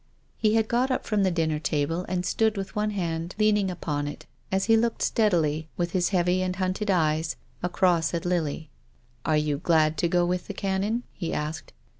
He had got up from the dinner table and stood with one hand 244 TONGUES OF CONSCIENCE. leaning upon it as he looked steadily, with his heavy and hunted eyes, across at Lily. . "Are you glad to go with the Canon?" he asked.